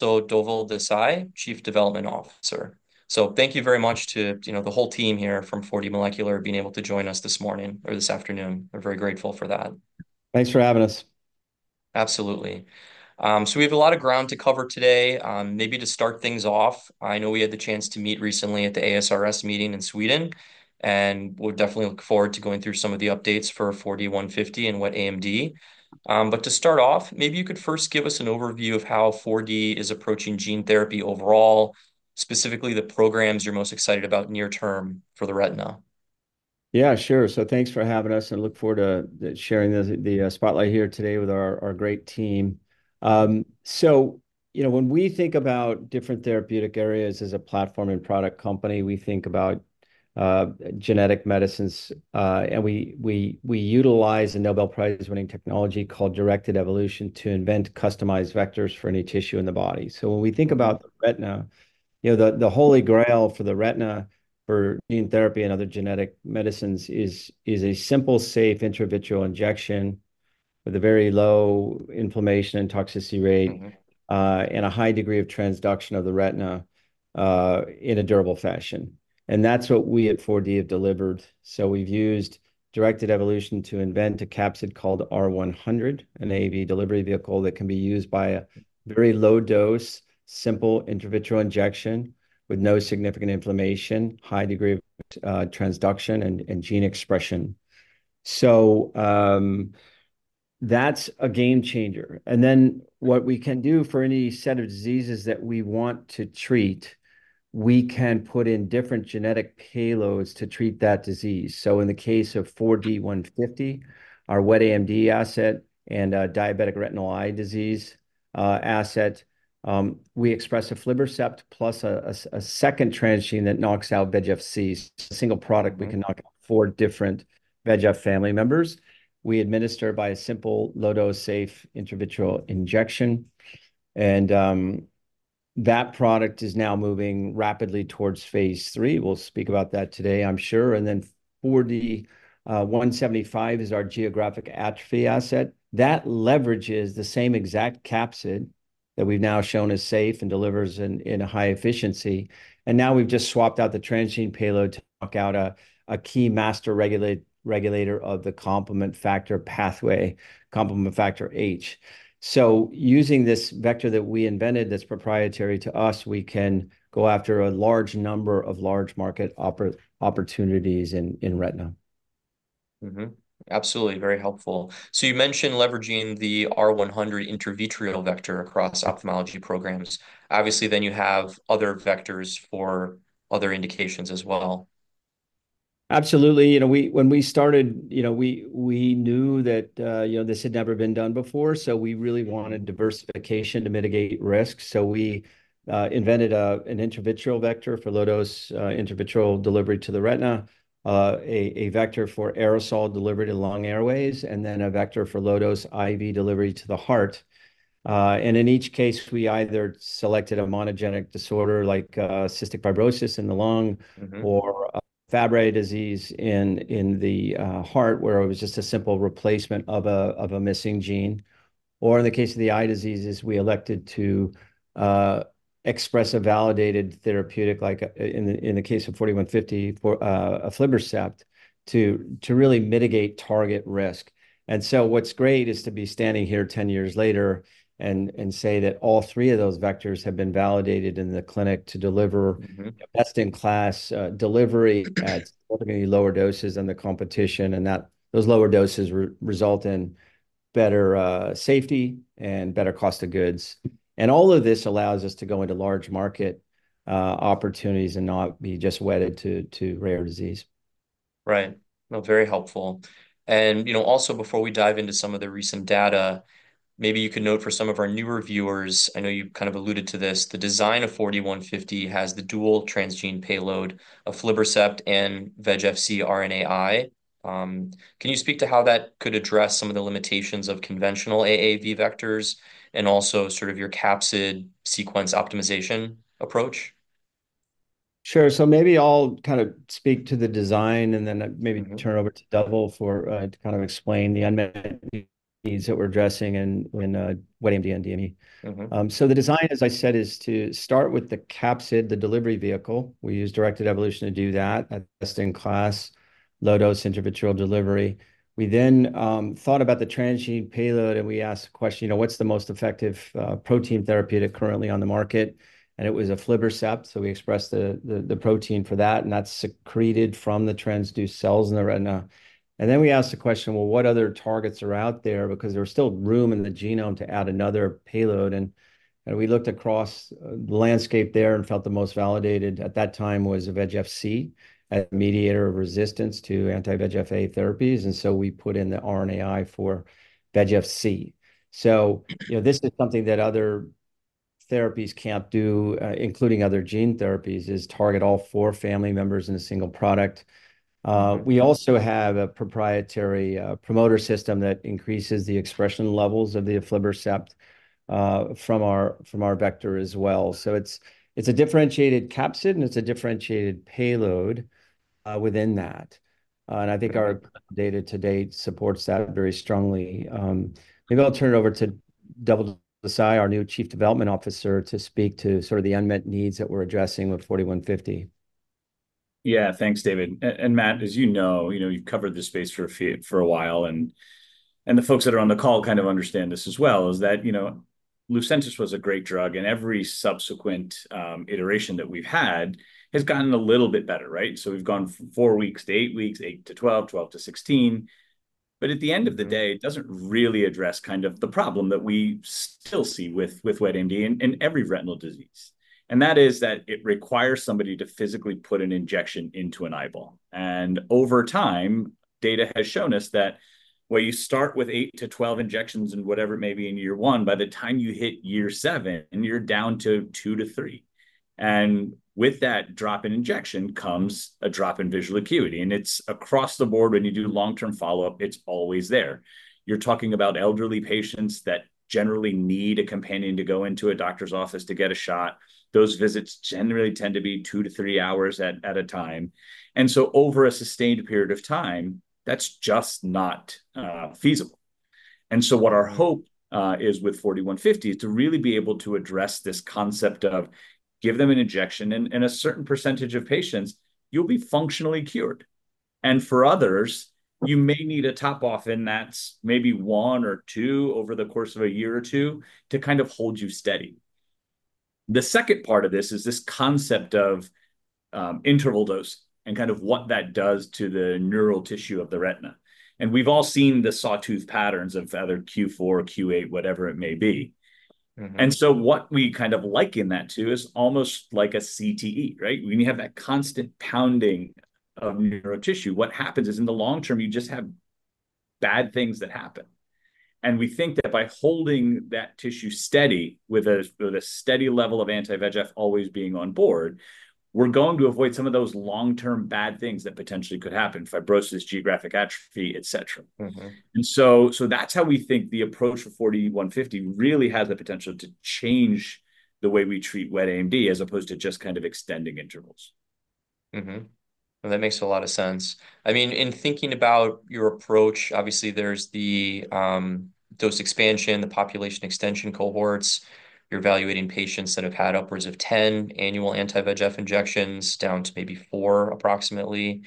So, Dhaval Desai, Chief Development Officer. So, thank you very much to, you know, the whole team here from 4D Molecular Therapeutics, being able to join us this morning or this afternoon. We're very grateful for that. Thanks for having us. Absolutely. So we have a lot of ground to cover today. Maybe to start things off, I know we had the chance to meet recently at the ASRS meeting in Sweden, and we'll definitely look forward to going through some of the updates for 4D-150 and wet AMD. But to start off, maybe you could first give us an overview of how 4D is approaching gene therapy overall, specifically the programs you're most excited about near term for the retina. Yeah, sure. So thanks for having us, and I look forward to sharing this, the spotlight here today with our great team. So, you know, when we think about different therapeutic areas as a platform and product company, we think about genetic medicines. And we utilize a Nobel Prize-winning technology called directed evolution to invent customized vectors for any tissue in the body. So when we think about the retina, you know, the holy grail for the retina, for gene therapy and other genetic medicines is a simple, safe intravitreal injection with a very low inflammation and toxicity rate- Mm-hmm... and a high degree of transduction of the retina, in a durable fashion. That's what we at 4D have delivered. So we've used directed evolution to invent a capsid called R100, an AAV delivery vehicle that can be used by a very low dose, simple intravitreal injection with no significant inflammation, high degree of transduction and gene expression. So, that's a game changer. Then what we can do for any set of diseases that we want to treat, we can put in different genetic payloads to treat that disease. So in the case of 4D-150, our wet AMD asset and diabetic retinopathy asset, we express Aflibercept plus a second transgene that knocks out VEGF-C. A single product, we can knock out four different VEGF family members. We administer by a simple, low-dose, safe intravitreal injection, and that product is now moving rapidly towards phase 3. We'll speak about that today, I'm sure. And then 4D-175 is our geographic atrophy asset. That leverages the same exact capsid that we've now shown is safe and delivers in a high efficiency. And now we've just swapped out the transgene payload to knock out a key master regulator of the complement factor pathway, complement factor H. So using this vector that we invented, that's proprietary to us, we can go after a large number of large market opportunities in retina. Mm-hmm. Absolutely. Very helpful. So you mentioned leveraging the R100 intravitreal vector across ophthalmology programs. Obviously, then you have other vectors for other indications as well. Absolutely. You know, when we started, you know, we knew that, you know, this had never been done before, so we really wanted diversification to mitigate risk. So we invented an intravitreal vector for low-dose intravitreal delivery to the retina, a vector for aerosol delivery to lung airways, and then a vector for low-dose IV delivery to the heart. And in each case, we either selected a monogenic disorder like cystic fibrosis in the lung- Mm-hmm... or Fabry disease in the heart, where it was just a simple replacement of a missing gene, or in the case of the eye diseases, we elected to express a validated therapeutic, like in the case of 4D-150, for Aflibercept, to really mitigate target risk. So what's great is to be standing here ten years later and say that all three of those vectors have been validated in the clinic to deliver- Mm-hmm... best-in-class delivery at significantly lower doses than the competition, and that those lower doses result in better safety and better cost of goods. And all of this allows us to go into large market opportunities and not be just wedded to rare disease. Right. No, very helpful. And, you know, also, before we dive into some of the recent data, maybe you could note for some of our newer viewers, I know you've kind of alluded to this, the design of 4D-150 has the dual transgene payload, Aflibercept and VEGF-C RNAi. Can you speak to how that could address some of the limitations of conventional AAV vectors and also sort of your capsid sequence optimization approach? Sure. So maybe I'll kind of speak to the design, and then maybe- Mm-hmm... turn it over to Dhaval for, to kind of explain the unmet needs that we're addressing and when, wet AMD and DME. Mm-hmm. So the design, as I said, is to start with the capsid, the delivery vehicle. We use directed evolution to do that, a best-in-class, low-dose intravitreal delivery. We then thought about the transgene payload, and we asked the question, you know, "What's the most effective protein therapeutic currently on the market?" And it was Aflibercept, so we expressed the protein for that, and that's secreted from the transduced cells in the retina. And then we asked the question: "Well, what other targets are out there?" Because there was still room in the genome to add another payload. And we looked across the landscape there and felt the most validated at that time was VEGF-C, a mediator of resistance to anti-VEGF-A therapies. And so we put in the RNAi for VEGF-C. So, you know, this is something that other therapies can't do, including other gene therapies, is target all four family members in a single product. We also have a proprietary, promoter system that increases the expression levels of the Aflibercept, from our vector as well. So it's a differentiated capsid, and it's a differentiated payload within that. And I think our data to date supports that very strongly. Maybe I'll turn it over to Dhaval Desai, our new Chief Development Officer, to speak to sort of the unmet needs that we're addressing with 4D-150. Yeah, thanks, David. And Matt, as you know, you know, you've covered this space for a for a while, and the folks that are on the call kind of understand this as well, is that, you know, Lucentis was a great drug, and every subsequent iteration that we've had has gotten a little bit better, right? So we've gone 4 weeks to 8 weeks, 8 to 12, 12 to 16, but at the end of the day, it doesn't really address kind of the problem that we still see with wet AMD and every retinal disease, and that is that it requires somebody to physically put an injection into an eyeball. Over time, data has shown us that, where you start with 8-12 injections and whatever it may be in year 1, by the time you hit year 7, and you're down to 2-3. With that drop in injection comes a drop in visual acuity, and it's across the board. When you do long-term follow-up, it's always there. You're talking about elderly patients that generally need a companion to go into a doctor's office to get a shot. Those visits generally tend to be 2-3 hours at a time, and so over a sustained period of time, that's just not feasible. What our hope is with 4D-150 is to really be able to address this concept of give them an injection, and a certain percentage of patients, you'll be functionally cured, and for others, you may need a top off, and that's maybe one or two over the course of a year or two to kind of hold you steady. The second part of this is this concept of interval dose and kind of what that does to the neural tissue of the retina, and we've all seen the sawtooth patterns of either Q4 or Q8, whatever it may be. Mm-hmm. And so what we kind of like in that, too, is almost like a CTE, right? When you have that constant pounding of neural tissue, what happens is, in the long term, you just have bad things that happen, and we think that by holding that tissue steady with a steady level of anti-VEGF always being on board, we're going to avoid some of those long-term bad things that potentially could happen: fibrosis, geographic atrophy, et cetera. Mm-hmm. So that's how we think the approach of 4D-150 really has the potential to change the way we treat wet AMD, as opposed to just kind of extending intervals. Mm-hmm. Well, that makes a lot of sense. I mean, in thinking about your approach, obviously there's the dose expansion, the population extension cohorts. You're evaluating patients that have had upwards of 10 annual anti-VEGF injections, down to maybe 4 approximately.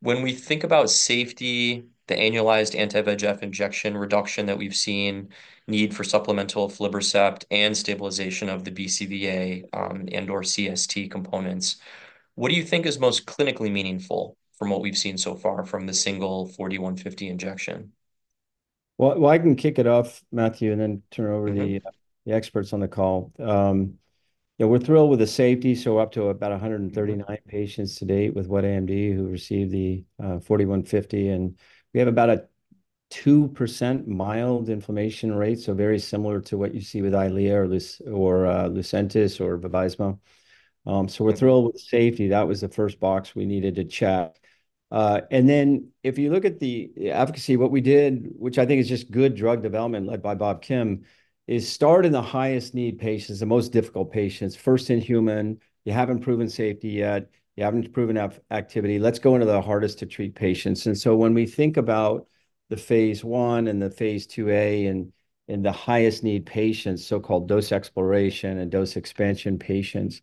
When we think about safety, the annualized anti-VEGF injection reduction that we've seen, need for supplemental Aflibercept and stabilization of the BCVA, and/or CST components, what do you think is most clinically meaningful from what we've seen so far from the single 4D-150 injection? Well, well, I can kick it off, Matthew, and then turn it over to the- Mm-hmm... the experts on the call. Yeah, we're thrilled with the safety, so up to about 139 patients to date with wet AMD who received the 4D-150, and we have about a 2% mild inflammation rate, so very similar to what you see with Eylea or Lucentis or Vabysmo. So we're thrilled- Right... with the safety. That was the first box we needed to check. And then, if you look at the efficacy, what we did, which I think is just good drug development led by Bob Kim, is start in the highest need patients, the most difficult patients. First in human, you haven't proven safety yet. You haven't proven efficacy. Let's go into the hardest to treat patients. And so when we think about the phase I and the phase IIa and the highest need patients, so-called dose exploration and dose expansion patients,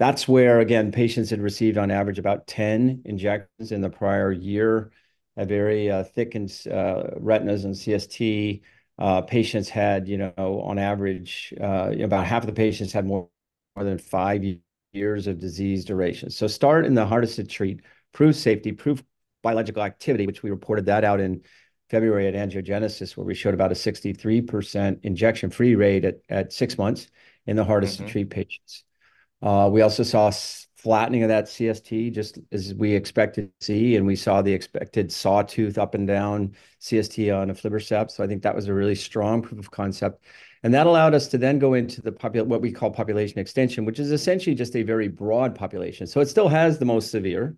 that's where, again, patients had received on average about 10 injections in the prior year, a very thickened retinas and CST. Patients had, you know, on average, about half of the patients had more than 5 years of disease duration. So start in the hardest to treat, prove safety, prove biological activity, which we reported that out in February at Angiogenesis, where we showed about a 63% injection-free rate at six months in the hardest- Mm-hmm... to treat patients. We also saw a flattening of that CST, just as we expected to see, and we saw the expected sawtooth up and down CST on Aflibercept, so I think that was a really strong proof of concept. And that allowed us to then go into the what we call population extension, which is essentially just a very broad population. So it still has the most severe,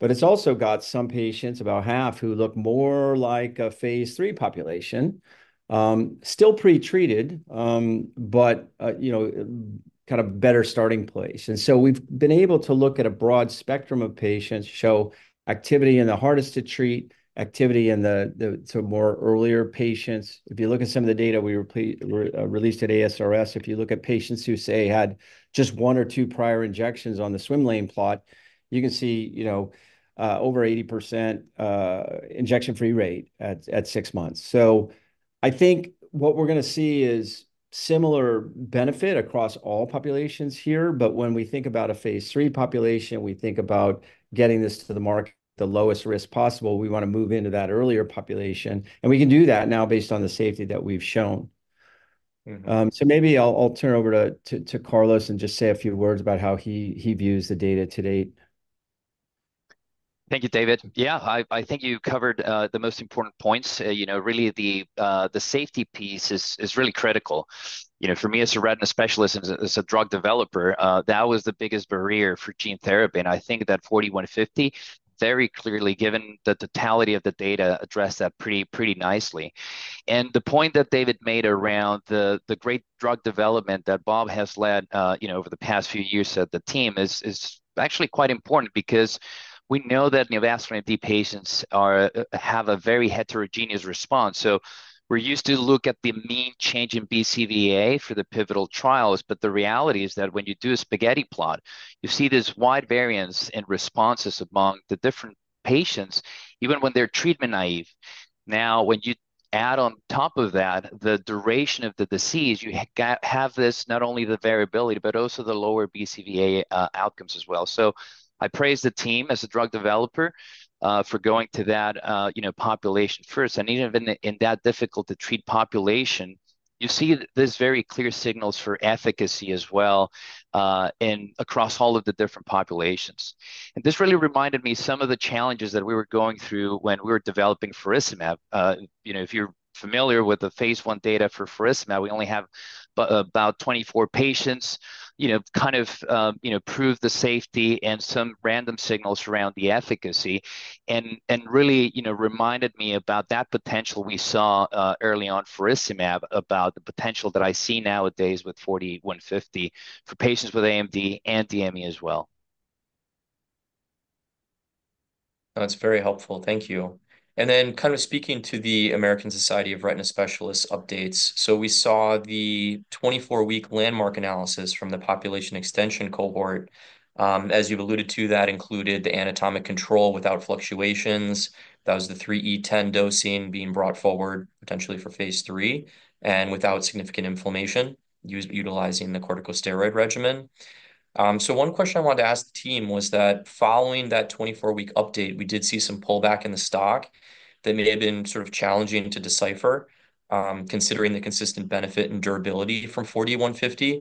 but it's also got some patients, about half, who look more like a phase 3 population. Still pre-treated, but, you know, kind of better starting place, and so we've been able to look at a broad spectrum of patients, show activity in the hardest to treat, activity in the so more earlier patients. If you look at some of the data we released at ASRS, if you look at patients who, say, had just one or two prior injections on the swim lane plot, you can see, you know, over 80% injection-free rate at six months. So I think what we're gonna see is similar benefit across all populations here, but when we think about a phase 3 population, we think about getting this to the market, the lowest risk possible. We want to move into that earlier population, and we can do that now based on the safety that we've shown. Mm-hmm. So maybe I'll turn it over to Carlos and just say a few words about how he views the data to date. ... Thank you, David. Yeah, I think you covered the most important points. You know, really the safety piece is really critical. You know, for me as a retina specialist and as a drug developer, that was the biggest barrier for gene therapy. And I think that 4D-150, very clearly, given the totality of the data, addressed that pretty nicely. And the point that David made around the great drug development that Bob has led, you know, over the past few years at the team is actually quite important because we know that neovascular AMD patients have a very heterogeneous response. So we're used to look at the mean change in BCVA for the pivotal trials, but the reality is that when you do a spaghetti plot, you see this wide variance in responses among the different patients, even when they're treatment naive. Now, when you add on top of that the duration of the disease, you have this, not only the variability, but also the lower BCVA outcomes as well. So I praise the team as a drug developer for going to that, you know, population first. And even in that difficult-to-treat population, you see there's very clear signals for efficacy as well, and across all of the different populations. And this really reminded me some of the challenges that we were going through when we were developing faricimab. You know, if you're familiar with the phase 1 data for faricimab, we only have about 24 patients, you know, kind of, you know, prove the safety and some random signals around the efficacy. And really, you know, reminded me about that potential we saw early on faricimab, about the potential that I see nowadays with 4D-150 for patients with AMD and DME as well. That's very helpful. Thank you. Then kind of speaking to the American Society of Retina Specialists updates, we saw the 24-week landmark analysis from the population extension cohort. As you've alluded to, that included the anatomic control without fluctuations. That was the 3E10 dosing being brought forward, potentially for phase 3, and without significant inflammation, utilizing the corticosteroid regimen. So one question I wanted to ask the team was that, following that 24-week update, we did see some pullback in the stock that may have been sort of challenging to decipher, considering the consistent benefit and durability from 4D-150.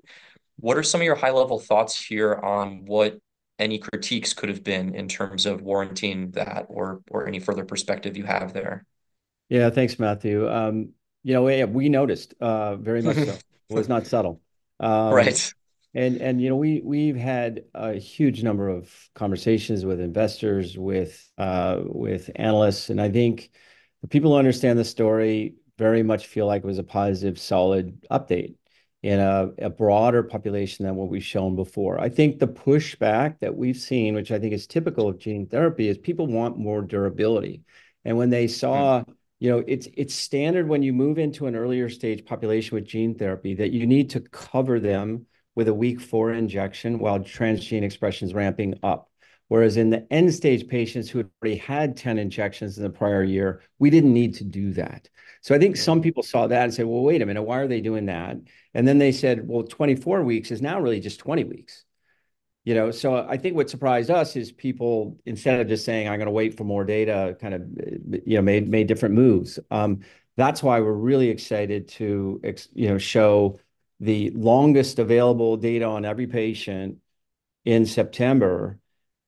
What are some of your high-level thoughts here on what any critiques could have been in terms of warranting that or any further perspective you have there? Yeah. Thanks, Matthew. You know, we noticed very much so. It was not subtle. Right. You know, we've had a huge number of conversations with investors, with analysts, and I think the people who understand the story very much feel like it was a positive, solid update in a broader population than what we've shown before. I think the pushback that we've seen, which I think is typical of gene therapy, is people want more durability. And when they saw- Right... you know, it's, it's standard when you move into an earlier stage population with gene therapy, that you need to cover them with a week four injection while transgene expression is ramping up. Whereas in the end-stage patients who had already had 10 injections in the prior year, we didn't need to do that. Right. So I think some people saw that and said, "Well, wait a minute, why are they doing that?" And then they said, "Well, 24 weeks is now really just 20 weeks." You know, so I think what surprised us is people, instead of just saying, "I'm gonna wait for more data," kind of, you know, made different moves. That's why we're really excited to, you know, show the longest available data on every patient in September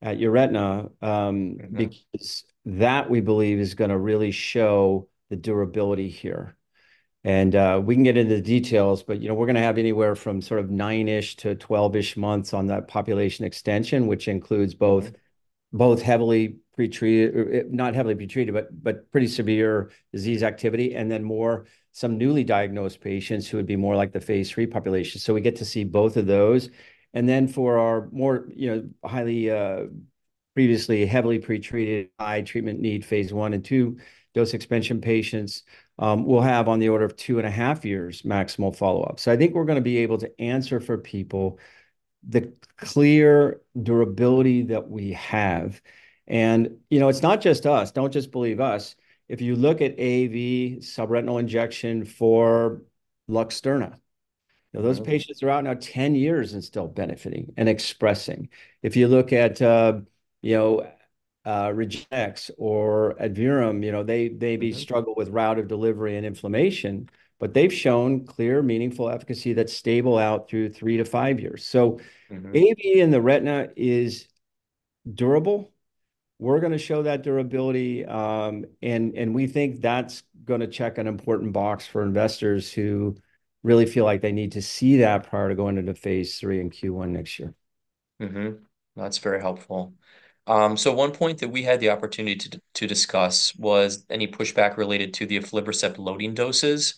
at Euretina. Right... because that, we believe, is gonna really show the durability here. And we can get into the details, but, you know, we're gonna have anywhere from sort of 9-ish to 12-ish months on that population extension, which includes both, both heavily pretreated... not heavily pretreated, but, but pretty severe disease activity, and then more some newly diagnosed patients who would be more like the Phase 3 population. So we get to see both of those. And then for our more, you know, highly previously heavily pretreated eye treatment need Phase 1 and 2 dose expansion patients, we'll have on the order of 2.5 years maximal follow-up. So I think we're gonna be able to answer for people the clear durability that we have. And, you know, it's not just us. Don't just believe us. If you look at AAV subretinal injection for Luxturna- Mm-hmm... those patients are out now 10 years and still benefiting and expressing. If you look at, you know, REGENXBIO or Adverum, you know, they- Mm-hmm... they may struggle with route of delivery and inflammation, but they've shown clear, meaningful efficacy that's stable out through 3-5 years. So- Mm-hmm... AAV in the retina is durable. We're gonna show that durability, and we think that's gonna check an important box for investors who really feel like they need to see that prior to going into phase 3 in Q1 next year. Mm-hmm. That's very helpful. So one point that we had the opportunity to discuss was any pushback related to the Aflibercept loading doses.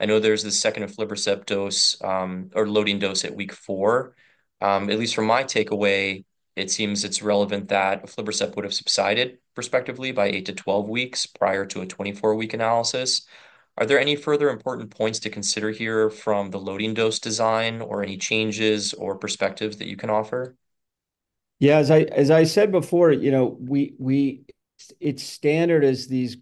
I know there's the second Aflibercept dose, or loading dose at week 4. At least from my takeaway, it seems it's relevant that Aflibercept would have subsided prospectively by 8-12 weeks prior to a 24-week analysis. Are there any further important points to consider here from the loading dose design, or any changes or perspectives that you can offer? Yeah, as I said before, you know, we—it's standard as these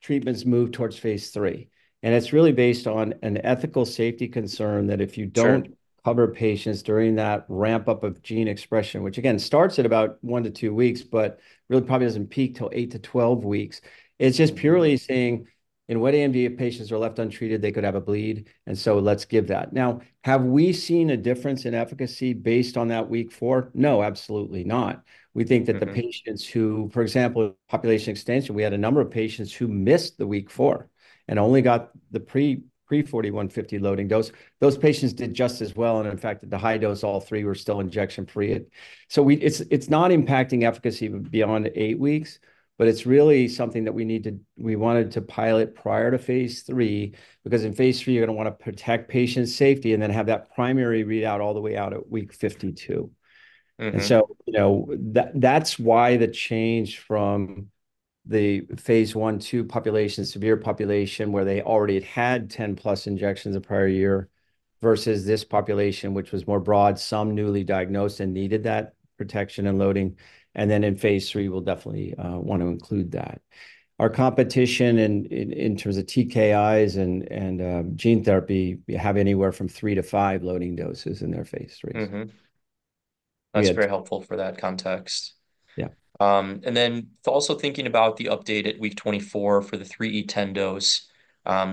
treatments move towards Phase 3, and it's really based on an ethical safety concern, that if you don't- Sure ...cover patients during that ramp-up of gene expression, which again starts at about 1-2 weeks, but really probably doesn't peak till 8-12 weeks. It's just purely saying in wet AMD, if patients are left untreated, they could have a bleed, and so let's give that. Now, have we seen a difference in efficacy based on that week 4? No, absolutely not. Mm-hmm. We think that the patients who, for example, population extension, we had a number of patients who missed the week 4 and only got the pre-4D-150 loading dose. Those patients did just as well, and in fact, the high dose, all 3 were still injection-free. So it's not impacting efficacy beyond 8 weeks, but it's really something that we need to, we wanted to pilot prior to Phase 3, because in Phase 3, you're going to want to protect patient safety and then have that primary readout all the way out at week 52. Mm-hmm. And so, you know, that, that's why the change from the Phase 1/2 population, severe population, where they already had had 10+ injections the prior year, versus this population, which was more broad, some newly diagnosed and needed that protection and loading. And then in Phase 3, we'll definitely want to include that. Our competition in terms of TKIs and gene therapy, we have anywhere from 3-5 loading doses in their Phase 3. Mm-hmm. Yeah. That's very helpful for that context. Yeah. And then also thinking about the update at week 24 for the 3E10 dose,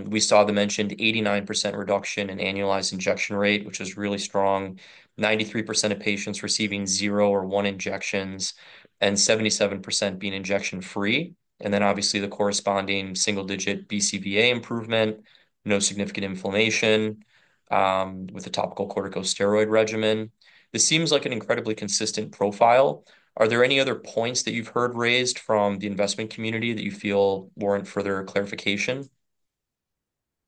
we saw the mentioned 89% reduction in annualized injection rate, which is really strong. 93% of patients receiving zero or one injections, and 77% being injection-free, and then obviously, the corresponding single-digit BCVA improvement, no significant inflammation, with a topical corticosteroid regimen. This seems like an incredibly consistent profile. Are there any other points that you've heard raised from the investment community that you feel warrant further clarification?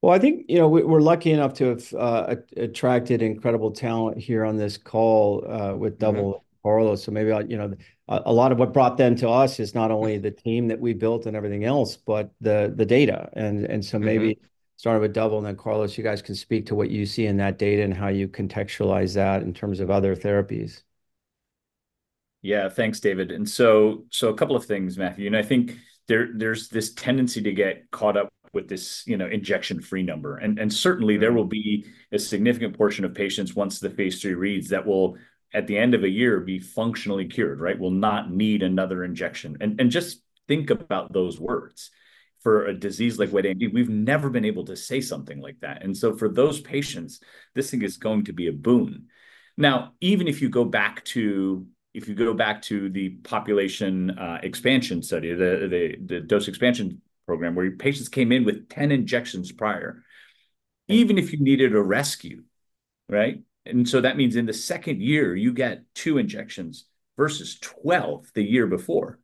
Well, I think, you know, we're lucky enough to have attracted incredible talent here on this call with Dhaval- Mm-hmm... and Carlos. So maybe, you know, a lot of what brought them to us is not only the team that we built and everything else, but the data. Mm-hmm. So maybe starting with Dhaval and then Carlos, you guys can speak to what you see in that data and how you contextualize that in terms of other therapies. Yeah. Thanks, David. So a couple of things, Matthew, and I think there's this tendency to get caught up with this, you know, injection-free number. And certainly- Mm-hmm... there will be a significant portion of patients once the Phase 3 reads, that will, at the end of a year, be functionally cured, right? Will not need another injection. And just think about those words. For a disease like wet AMD, we've never been able to say something like that. And so for those patients, this thing is going to be a boon. Now, even if you go back to the population, the dose expansion program, where patients came in with 10 injections prior, even if you needed a rescue, right? And so that means in the second year, you get 2 injections versus 12 the year before.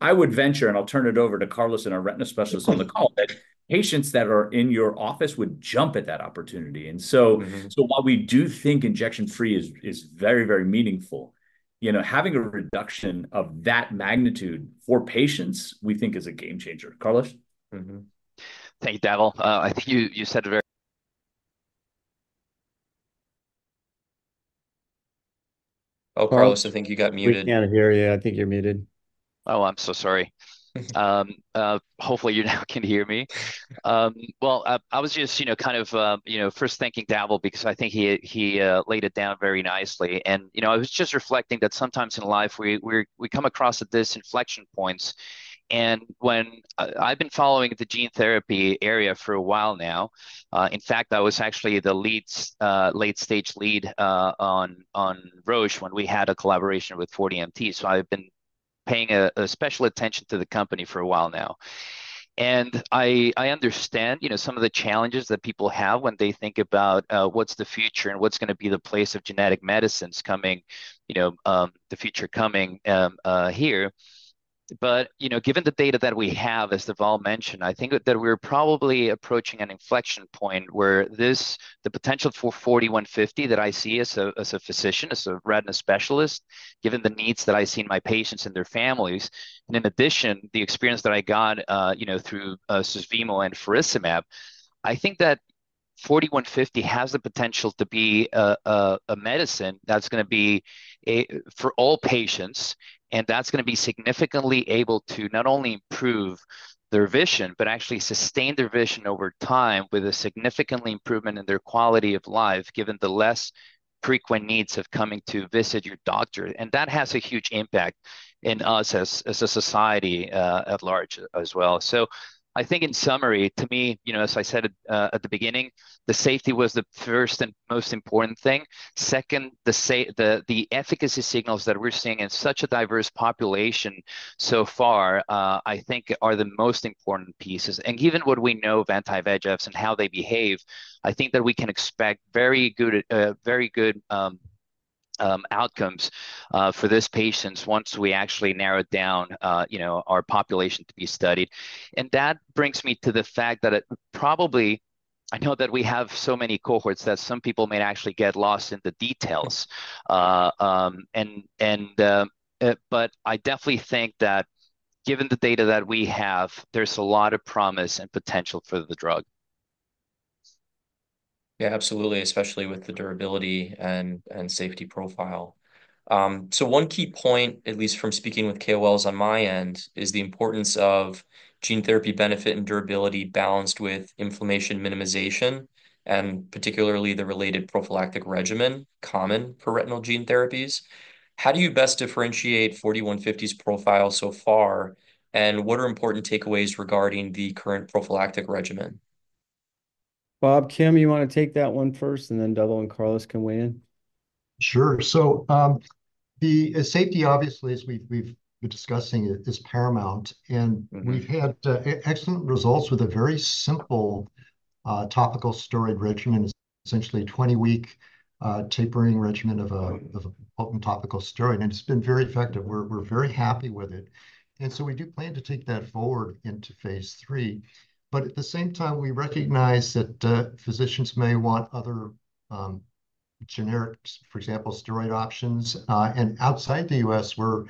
I would venture, and I'll turn it over to Carlos and our retina specialist on the call-... that patients that are in your office would jump at that opportunity. Mm-hmm. And so while we do think injection-free is very, very meaningful, you know, having a reduction of that magnitude for patients, we think is a game changer. Carlos? Mm-hmm. Thank you, Dhaval. I think you said it very... Oh, Carlos, I think you got muted. We cannot hear you. I think you're muted. Oh, I'm so sorry. Hopefully, you now can hear me. Well, I was just, you know, kind of, first thanking Dhaval because I think he laid it down very nicely. And, you know, I was just reflecting that sometimes in life, we come across these inflection points, and I've been following the gene therapy area for a while now. In fact, I was actually the late-stage lead on Roche when we had a collaboration with 4DMT. So I've been paying a special attention to the company for a while now. I, I understand, you know, some of the challenges that people have when they think about what's the future and what's going to be the place of genetic medicines coming, you know, here. But, you know, given the data that we have, as Dhaval mentioned, I think that we're probably approaching an inflection point where the potential for 4D-150 that I see as a physician, as a retina specialist, given the needs that I see in my patients and their families, and in addition, the experience that I got, you know, through Susvimo and Vabysmo, I think that 4D-150 has the potential to be a medicine that's going to be for all patients, and that's going to be significantly able to not only improve their vision, but actually sustain their vision over time with a significantly improvement in their quality of life, given the less frequent needs of coming to visit your doctor. And that has a huge impact in us as a society at large as well. So I think in summary, to me, you know, as I said, at the beginning, the safety was the first and most important thing. Second, the efficacy signals that we're seeing in such a diverse population so far, I think are the most important pieces. And given what we know of anti-VEGFs and how they behave, I think that we can expect very good, very good outcomes for these patients once we actually narrow down, you know, our population to be studied. And that brings me to the fact that it probably... I know that we have so many cohorts that some people may actually get lost in the details. But I definitely think that given the data that we have, there's a lot of promise and potential for the drug. Yeah, absolutely, especially with the durability and, and safety profile. So one key point, at least from speaking with KOLs on my end, is the importance of gene therapy benefit and durability balanced with inflammation minimization, and particularly the related prophylactic regimen, common for retinal gene therapies. How do you best differentiate 4D-150's profile so far, and what are important takeaways regarding the current prophylactic regimen? ... Bob Kim, you want to take that one first, and then Dhaval and Carlos can weigh in? Sure. So, the safety, obviously, as we've been discussing it, is paramount, and- Mm-hmm... we've had excellent results with a very simple topical steroid regimen. Essentially, a 20-week tapering regimen of a potent topical steroid, and it's been very effective. We're very happy with it, and so we do plan to take that forward into Phase III. But at the same time, we recognize that physicians may want other generics, for example, steroid options. And outside the U.S., where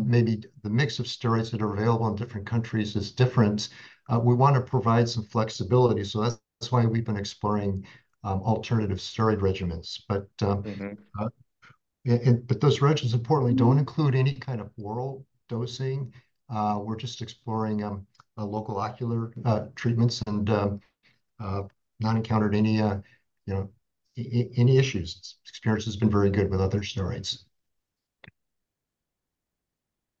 maybe the mix of steroids that are available in different countries is different, we want to provide some flexibility, so that's why we've been exploring alternative steroid regimens. But- Mm-hmm... and, but those regimens, importantly, don't include any kind of oral dosing. We're just exploring a local ocular treatments and not encountered any, you know, any issues. Experience has been very good with other steroids.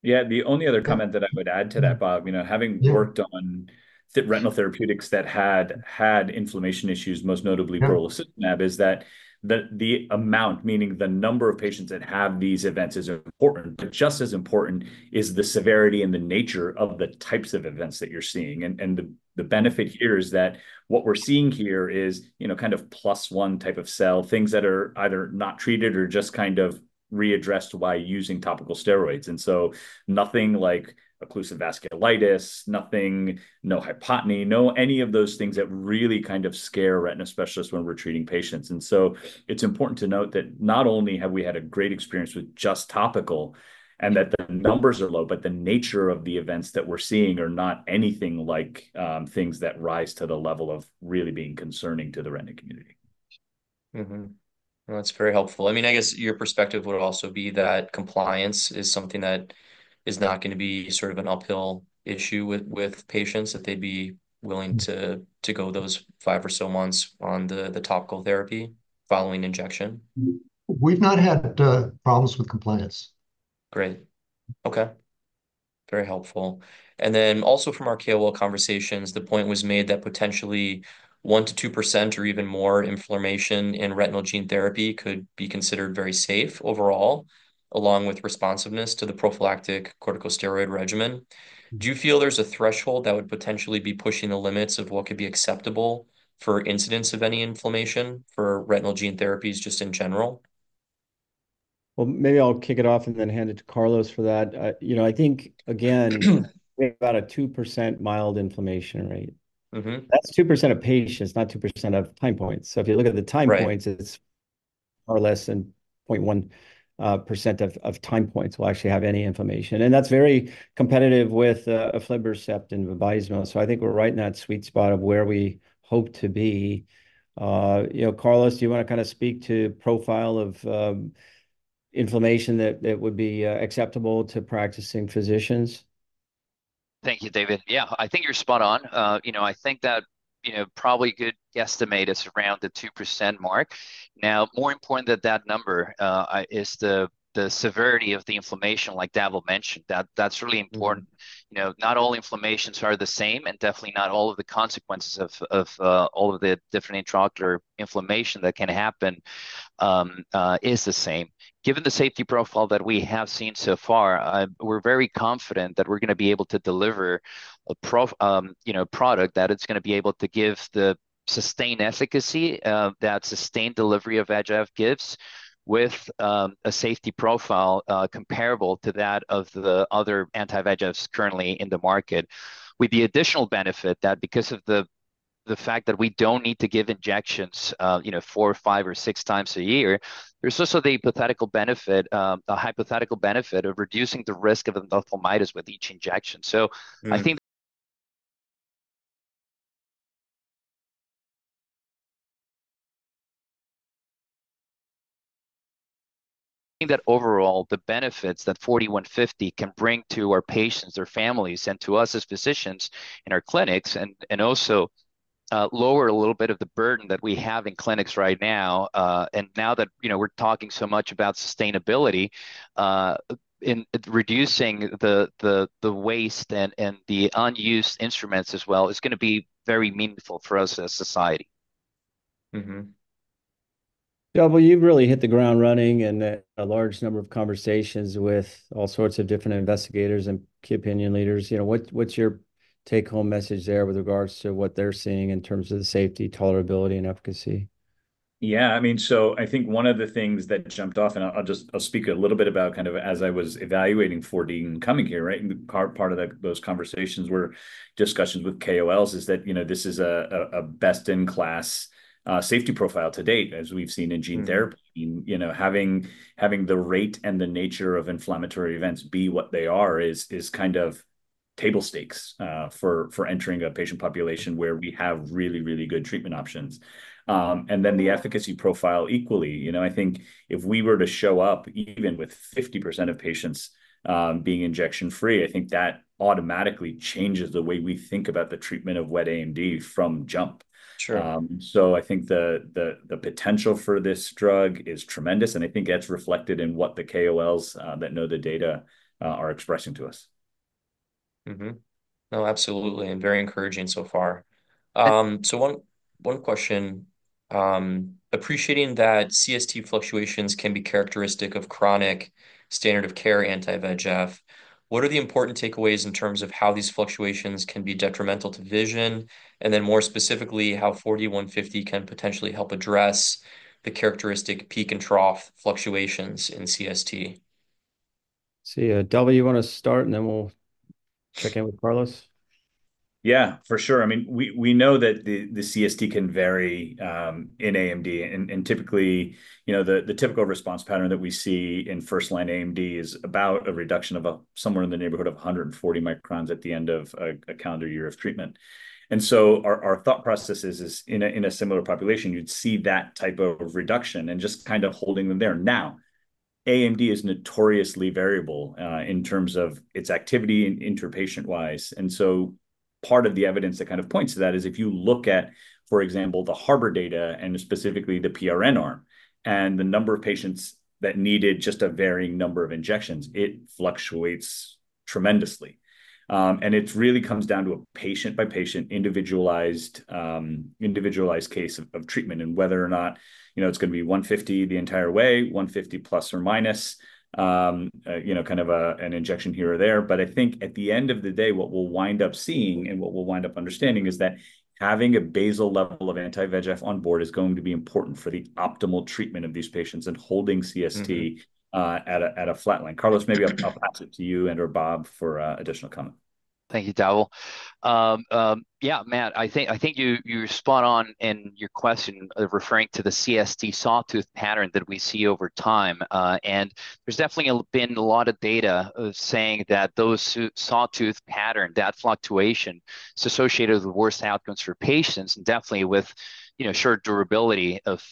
Yeah, the only other comment that I would add to that, Bob, you know, having- Yeah... worked on retinal therapeutics that had had inflammation issues, most notably oral sitagliptin- Yeah... is that the amount, meaning the number of patients that have these events, is important. But just as important is the severity and the nature of the types of events that you're seeing. And the benefit here is that what we're seeing here is, you know, kind of plus one type of cell, things that are either not treated or just kind of readdressed by using topical steroids. And so nothing like occlusive vasculitis, nothing, no hypotony, no any of those things that really kind of scare retina specialists when we're treating patients. And so it's important to note that not only have we had a great experience with just topical, and that the numbers are low, but the nature of the events that we're seeing are not anything like things that rise to the level of really being concerning to the retina community. Mm-hmm. Well, that's very helpful. I mean, I guess your perspective would also be that compliance is something that is not going to be sort of an uphill issue with, with patients, that they'd be willing to- Mm... to go those 5 or so months on the topical therapy following injection? We've not had problems with compliance. Great. Okay, very helpful. Then also from our KOL conversations, the point was made that potentially 1%-2%, or even more, inflammation in retinal gene therapy could be considered very safe overall, along with responsiveness to the prophylactic corticosteroid regimen. Do you feel there's a threshold that would potentially be pushing the limits of what could be acceptable for incidence of any inflammation for retinal gene therapies, just in general? Well, maybe I'll kick it off and then hand it to Carlos for that. You know, I think, again, we have about a 2% mild inflammation rate. Mm-hmm. That's 2% of patients, not 2% of time points. So if you look at the time points- Right... it's more or less than 0.1% of time points will actually have any inflammation, and that's very competitive with Aflibercept and Vabysmo. So I think we're right in that sweet spot of where we hope to be. You know, Carlos, do you want to kind of speak to profile of inflammation that would be acceptable to practicing physicians? Thank you, David. Yeah, I think you're spot on. You know, I think that, you know, probably a good guesstimate is around the 2% mark. Now, more important than that number, is the, the severity of the inflammation, like David mentioned. That's really important. Mm-hmm. You know, not all inflammations are the same, and definitely not all of the consequences of all of the different intraocular inflammation that can happen is the same. Given the safety profile that we have seen so far, we're very confident that we're gonna be able to deliver a product, you know, that it's gonna be able to give the sustained efficacy that sustained delivery of VEGF gives, with a safety profile comparable to that of the other anti-VEGFs currently in the market. With the additional benefit that because of the fact that we don't need to give injections, you know, 4, 5, or 6 times a year, there's also the hypothetical benefit of reducing the risk of endophthalmitis with each injection. So- Mm I think that overall, the benefits that 4D-150 can bring to our patients, their families, and to us as physicians in our clinics, and also lower a little bit of the burden that we have in clinics right now. And now that, you know, we're talking so much about sustainability in reducing the waste and the unused instruments as well, is gonna be very meaningful for us as a society. Mm-hmm. Dhaval, you've really hit the ground running in a large number of conversations with all sorts of different investigators and key opinion leaders. You know, what, what's your take-home message there with regards to what they're seeing in terms of the safety, tolerability, and efficacy? Yeah, I mean, so I think one of the things that jumped off, and I'll just, I'll speak a little bit about kind of as I was evaluating 4D and coming here, right? And part of those conversations were discussions with KOLs, is that, you know, this is a best-in-class safety profile to date, as we've seen in gene therapy. Mm. You know, having the rate and the nature of inflammatory events be what they are is kind of table stakes for entering a patient population where we have really, really good treatment options. And then the efficacy profile equally. You know, I think if we were to show up even with 50% of patients being injection-free, I think that automatically changes the way we think about the treatment of wet AMD from jump. Sure. So I think the potential for this drug is tremendous, and I think that's reflected in what the KOLs that know the data are expressing to us.... Mm-hmm. No, absolutely, and very encouraging so far. So, one question, appreciating that CST fluctuations can be characteristic of chronic standard of care anti-VEGF, what are the important takeaways in terms of how these fluctuations can be detrimental to vision? And then more specifically, how 4D-150 can potentially help address the characteristic peak and trough fluctuations in CST? Let's see, Dhaval, you want to start, and then we'll check in with Carlos? Yeah, for sure. I mean, we know that the CST can vary in AMD, and typically, you know, the typical response pattern that we see in first-line AMD is about a reduction of about somewhere in the neighborhood of 140 microns at the end of a calendar year of treatment. And so our thought process is in a similar population, you'd see that type of reduction and just kind of holding them there. Now, AMD is notoriously variable in terms of its activity inter-patient-wise. And so part of the evidence that kind of points to that is if you look at, for example, the Harbor data and specifically the PRN arm and the number of patients that needed just a varying number of injections, it fluctuates tremendously. And it really comes down to a patient-by-patient, individualized case of treatment and whether or not, you know, it's gonna be 4D-150 the entire way, 4D-150 ±, you know, kind of an injection here or there. But I think at the end of the day, what we'll wind up seeing and what we'll wind up understanding is that having a basal level of anti-VEGF on board is going to be important for the optimal treatment of these patients and holding CST- Mm-hmm... at a flatline. Carlos, maybe I'll pass it to you and/or Bob for additional comment. Thank you, Dhaval. Yeah, Matt, I think you're spot on in your question, referring to the CST sawtooth pattern that we see over time. And there's definitely been a lot of data saying that those sawtooth pattern, that fluctuation, is associated with worse outcomes for patients and definitely with, you know, short durability of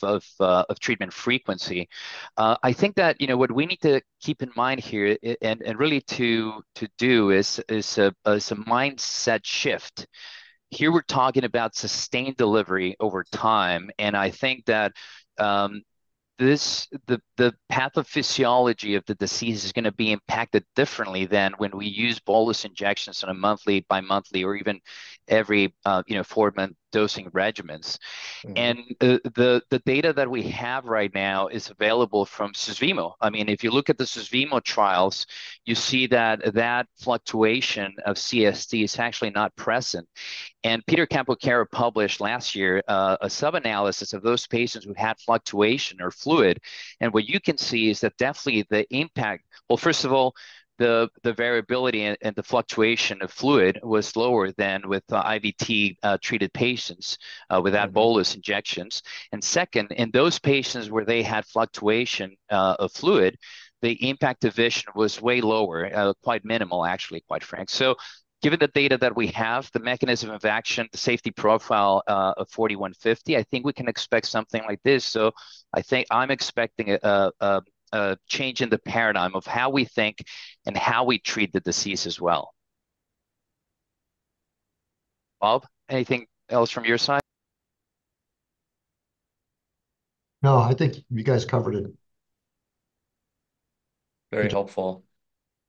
treatment frequency. I think that, you know, what we need to keep in mind here, and really to do is a mindset shift. Here, we're talking about sustained delivery over time, and I think that the pathophysiology of the disease is gonna be impacted differently than when we use bolus injections on a monthly, bi-monthly, or even every, you know, four-month dosing regimens. Mm-hmm. The data that we have right now is available from Susvimo. I mean, if you look at the Susvimo trials, you see that that fluctuation of CST is actually not present. And Peter Campochiaro published last year a sub-analysis of those patients who had fluctuation or fluid, and what you can see is that definitely the impact... Well, first of all, the variability and the fluctuation of fluid was lower than with IVT treated patients with that bolus injections. And second, in those patients where they had fluctuation of fluid, the impact of vision was way lower, quite minimal, actually, quite frank. So given the data that we have, the mechanism of action, the safety profile of 4D-150, I think we can expect something like this. So I think I'm expecting a change in the paradigm of how we think and how we treat the disease as well. Bob, anything else from your side? No, I think you guys covered it. Very helpful.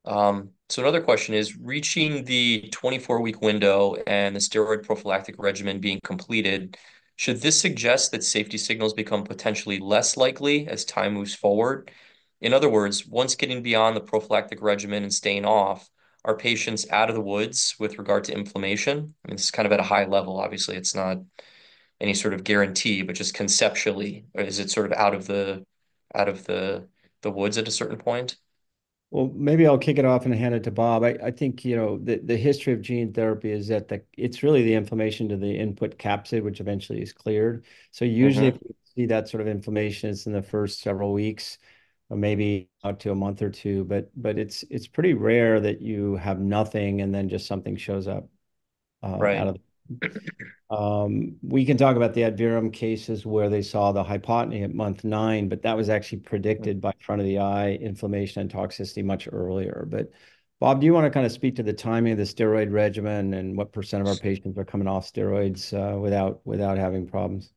So another question is, reaching the 24-week window and the steroid prophylactic regimen being completed, should this suggest that safety signals become potentially less likely as time moves forward? In other words, once getting beyond the prophylactic regimen and staying off, are patients out of the woods with regard to inflammation? I mean, this is kind of at a high level. Obviously, it's not any sort of guarantee, but just conceptually, is it sort of out of the woods at a certain point? Well, maybe I'll kick it off and hand it to Bob. I think, you know, the history of gene therapy is that it's really the inflammation to the input capsid, which eventually is cleared. Mm-hmm. So usually, if you see that sort of inflammation, it's in the first several weeks or maybe up to a month or two, but it's pretty rare that you have nothing, and then just something shows up. Right... out of, we can talk about the Adverum cases where they saw the hypotony at month nine, but that was actually predicted by front of the eye inflammation and toxicity much earlier. But Bob, do you wanna kind of speak to the timing of the steroid regimen and what % of our patients are coming off steroids, without having problems?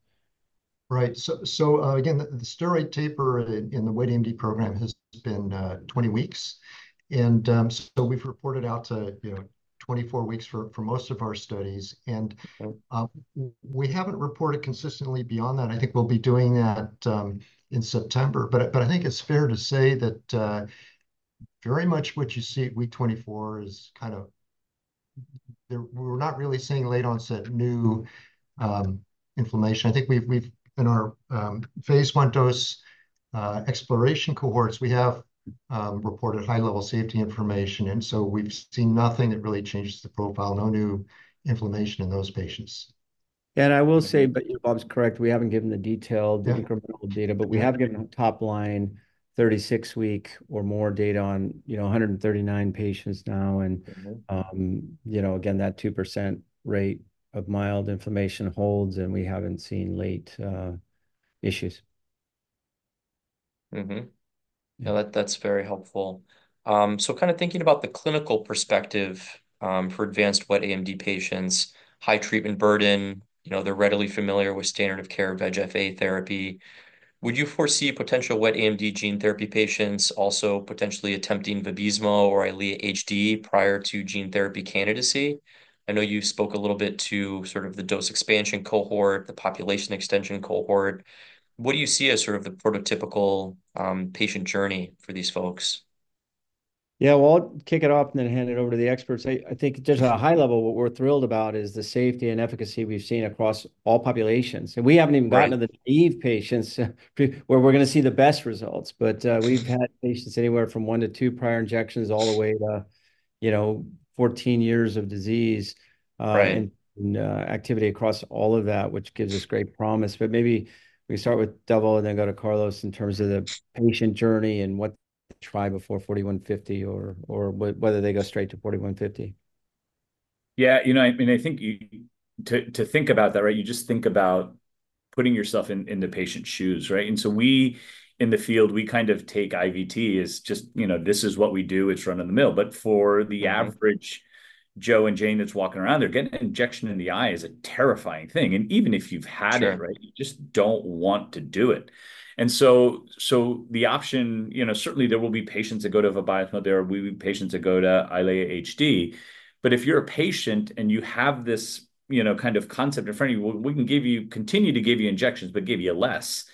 Right. So, again, the steroid taper in the wet AMD program has been 20 weeks, and so we've reported out to, you know, 24 weeks for most of our studies. And- Mm-hmm... we haven't reported consistently beyond that. I think we'll be doing that in September. But I think it's fair to say that very much what you see at week 24 is kind of we're not really seeing late-onset new inflammation. I think we've in our phase 1 dose exploration cohorts we have reported high-level safety information, and so we've seen nothing that really changes the profile, no new inflammation in those patients. And I will say, but Bob's correct, we haven't given the detailed- Yeah... incremental data, but we have given top-line 36-week or more data on, you know, 139 patients now. Mm-hmm. You know, again, that 2% rate of mild inflammation holds, and we haven't seen late issues. Mm-hmm. Yeah, that, that's very helpful. So kind of thinking about the clinical perspective, for advanced wet AMD patients, high treatment burden, you know, they're readily familiar with standard of care VEGF-A therapy.... Would you foresee potential wet AMD gene therapy patients also potentially attempting Vabysmo or Eylea HD prior to gene therapy candidacy? I know you spoke a little bit to sort of the dose expansion cohort, the population extension cohort. What do you see as sort of the prototypical patient journey for these folks? Yeah, well, I'll kick it off and then hand it over to the experts. I, I think just at a high level, what we're thrilled about is the safety and efficacy we've seen across all populations. Right. We haven't even gotten to the naive patients, where we're going to see the best results. Mm. But, we've had patients anywhere from 1 to 2 prior injections all the way to, you know, 14 years of disease, Right... and activity across all of that, which gives us great promise. But maybe we start with Dhaval and then go to Carlos in terms of the patient journey and what to try before 4D-150 or, or whether they go straight to 4D-150. Yeah, you know, I mean, I think you to think about that, right? You just think about putting yourself in the patient's shoes, right? And so we, in the field, we kind of take IVT as just, you know, this is what we do, it's run-of-the-mill. Mm-hmm. But for the average Joe and Jane that's walking around, they're getting an injection in the eye is a terrifying thing. And even if you've had it- Sure... right, you just don't want to do it. And so, the option, you know, certainly there will be patients that go to Vabysmo, there will be patients that go to Eylea HD. But if you're a patient and you have this, you know, kind of concept in front of you, we, we can give you- continue to give you injections, but give you less.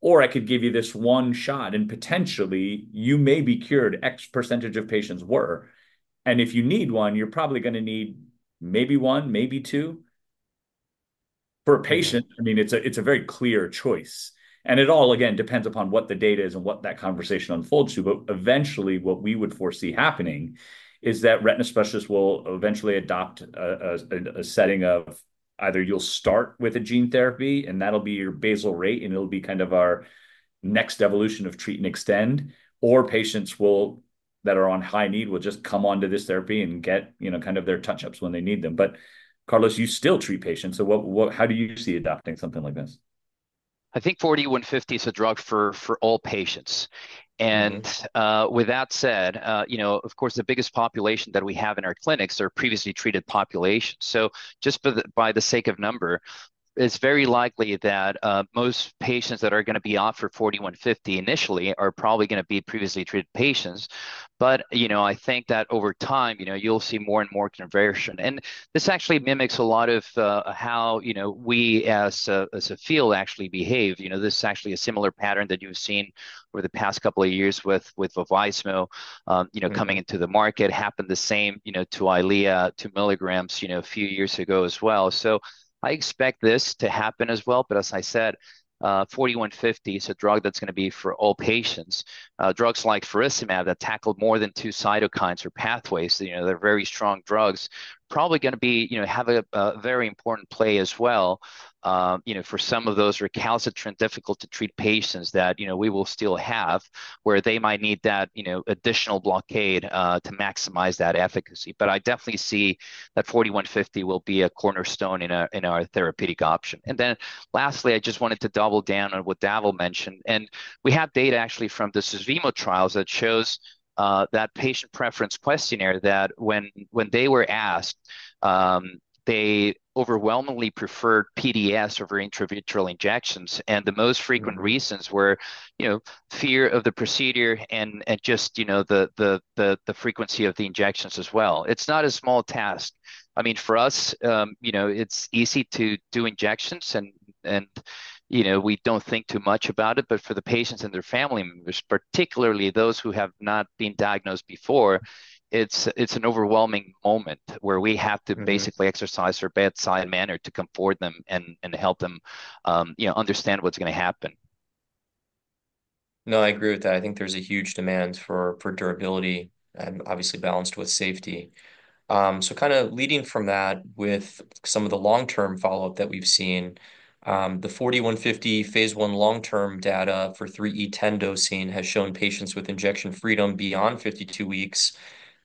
Or I could give you this one shot, and potentially you may be cured, X percentage of patients were. And if you need one, you're probably going to need maybe one, maybe two. For a patient- Mm... I mean, it's a very clear choice, and it all, again, depends upon what the data is and what that conversation unfolds to. But eventually, what we would foresee happening is that retina specialists will eventually adopt a setting of either you'll start with a gene therapy, and that'll be your basal rate, and it'll be kind of our next evolution of treat and extend, or patients will - that are on high need, will just come onto this therapy and get, you know, kind of their touch-ups when they need them. But Carlos, you still treat patients, so what - how do you see adopting something like this? I think 4D-150 is a drug for all patients. Mm-hmm. With that said, you know, of course, the biggest population that we have in our clinics are previously treated populations. So just for the sake of number, it's very likely that most patients that are going to be offered 4D-150 initially are probably going to be previously treated patients. But, you know, I think that over time, you know, you'll see more and more conversion. This actually mimics a lot of how, you know, we as a, as a field actually behave. You know, this is actually a similar pattern that you've seen over the past couple of years with Vabysmo, you know- Mm... coming into the market. Happened the same, you know, to Eylea, to milligrams, you know, a few years ago as well. So I expect this to happen as well, but as I said, 4D-150 is a drug that's going to be for all patients. Drugs like faricimab that tackled more than two cytokines or pathways, you know, they're very strong drugs, probably going to be- you know, have a, a very important play as well, you know, for some of those recalcitrant, difficult-to-treat patients that, you know, we will still have, where they might need that, you know, additional blockade, to maximize that efficacy. But I definitely see that 4D-150 will be a cornerstone in our, in our therapeutic option. And then lastly, I just wanted to double down on what Dhaval mentioned, and we have data actually from the Susvimo trials that shows that patient preference questionnaire, that when they were asked, they overwhelmingly preferred PDS over intravitreal injections. Mm. The most frequent reasons were, you know, fear of the procedure and just, you know, the frequency of the injections as well. It's not a small task. I mean, for us, you know, it's easy to do injections, and you know, we don't think too much about it, but for the patients and their family members, particularly those who have not been diagnosed before, it's an overwhelming moment, where we have to- Mm... basically exercise our bedside manner to comfort them and help them, you know, understand what's going to happen. No, I agree with that. I think there's a huge demand for durability and obviously balanced with safety. So kind of leading from that, with some of the long-term follow-up that we've seen, the 4D-150 phase 1 long-term data for 3E10 dosing has shown patients with injection freedom beyond 52 weeks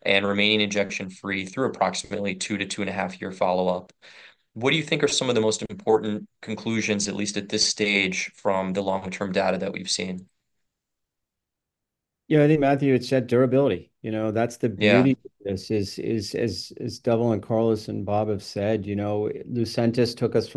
and remaining injection-free through approximately 2 to 2.5-year follow-up. What do you think are some of the most important conclusions, at least at this stage, from the long-term data that we've seen? Yeah, I think, Matthew, it's that durability, you know, that's the- Yeah... beauty of this is, as Dhaval and Carlos and Bob have said, you know, Lucentis took us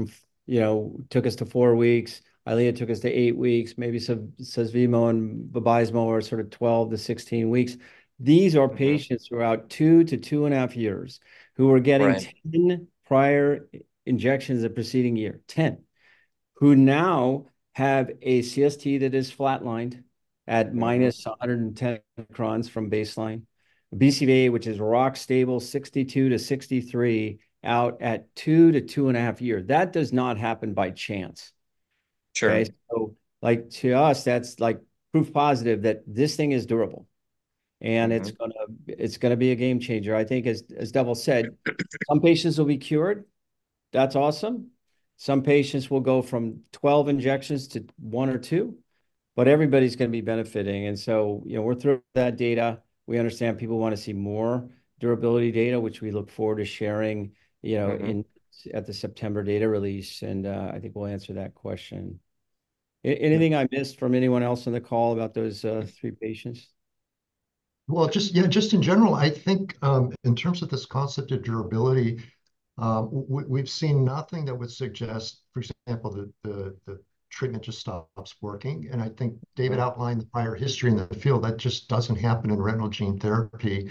to four weeks, Eylea took us to eight weeks, maybe Susvimo and Vabysmo are sort of 12-16 weeks. Mm-hmm. These are patients throughout 2-2.5 years who are getting- Right... 10 prior injections the preceding year, 10, who now have a CST that is flatlined at- Mm... -110 microns from baseline. BCVA, which is rock stable, 62-63 out at 2-2.5 years. That does not happen by chance. Sure. Right? So, like, to us, that's like proof positive that this thing is durable- Mm... and it's going to, it's going to be a game changer. I think as, as Dhaval said, some patients will be cured. That's awesome. Some patients will go from 12 injections to one or two, but everybody's going to be benefiting. And so, you know, we're through that data. We understand people want to see more durability data, which we look forward to sharing, you know- Mm... at the September data release, and, I think we'll answer that question. Yeah... anything I missed from anyone else on the call about those three patients? ...Well, just, you know, just in general, I think, in terms of this concept of durability, we've seen nothing that would suggest, for example, that the treatment just stops working, and I think David outlined the prior history in the field, that just doesn't happen in retinal gene therapy.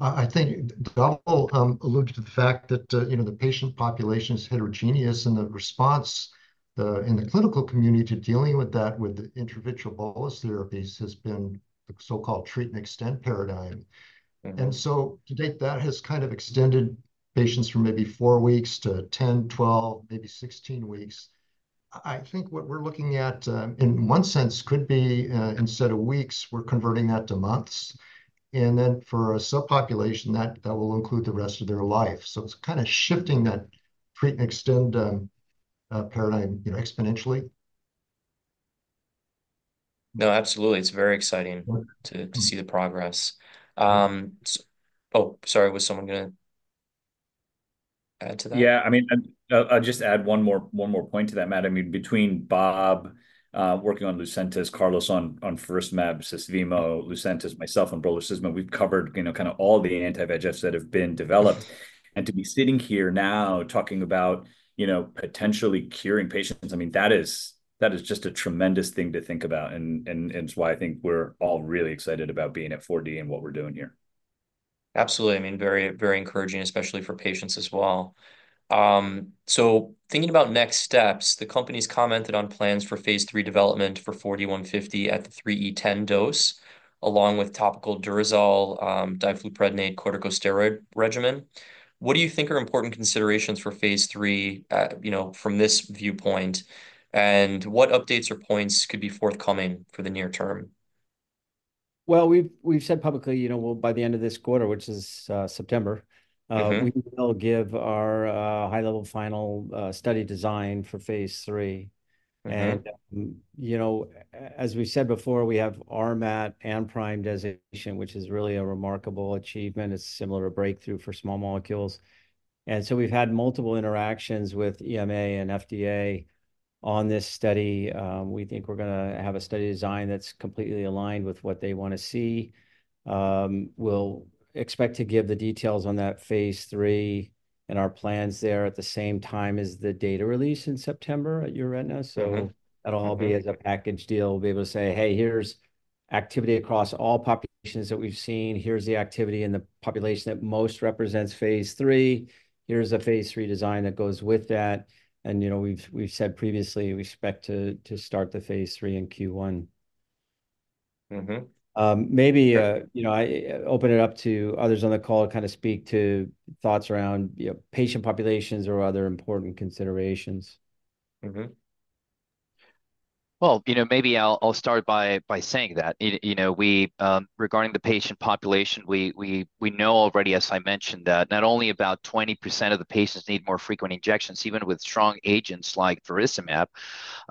I think Bob alluded to the fact that, you know, the patient population is heterogeneous, and the response in the clinical community to dealing with that with the intravitreal bolus therapies has been the so-called treat and extend paradigm. Mm-hmm. And so to date, that has kind of extended patients from maybe 4 weeks to 10, 12, maybe 16 weeks. I think what we're looking at, in one sense, could be instead of weeks, we're converting that to months, and then for a subpopulation, that will include the rest of their life. So it's kind of shifting that treat and extend paradigm, you know, exponentially. No, absolutely. It's very exciting- Mm... to, to see the progress. Sorry, was someone gonna add to that? Yeah, I mean, and I'll just add one more point to that, Matt. I mean, between Bob working on Lucentis, Carlos on faricimab, Susvimo, Lucentis, myself on brolucizumab, we've covered, you know, kind of all the anti-VEGFs that have been developed. And to be sitting here now talking about, you know, potentially curing patients, I mean, that is just a tremendous thing to think about, and it's why I think we're all really excited about being at 4D and what we're doing here. Absolutely. I mean, very, very encouraging, especially for patients as well. So thinking about next steps, the company's commented on plans for phase 3 development for 4D-150 at the 3E10 dose, along with topical Durezol, difluprednate corticosteroid regimen. What do you think are important considerations for phase 3, you know, from this viewpoint? And what updates or points could be forthcoming for the near term? Well, we've said publicly, you know, well, by the end of this quarter, which is September- Mm-hmm... we will give our high-level final study design for Phase 3. Mm-hmm. You know, as we said before, we have RMAT and PRIME designation, which is really a remarkable achievement. It's similar to Breakthrough for small molecules. So we've had multiple interactions with EMA and FDA on this study. We think we're gonna have a study design that's completely aligned with what they want to see. We'll expect to give the details on that Phase 3 and our plans there at the same time as the data release in September at EURETINA. Mm-hmm, mm-hmm. So that'll all be as a package deal. We'll be able to say, "Hey, here's activity across all populations that we've seen. Here's the activity in the population that most represents phase 3. Here's a phase 3 design that goes with that." And, you know, we've said previously, we expect to start the phase 3 in Q1. Mm-hmm. Maybe, you know, I open it up to others on the call to kind of speak to thoughts around, you know, patient populations or other important considerations. Mm-hmm. Well, you know, maybe I'll start by saying that, you know, regarding the patient population, we know already, as I mentioned, that not only about 20% of the patients need more frequent injections, even with strong agents like faricimab,